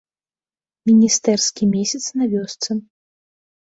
Міністэрскі месяц на вёсцы.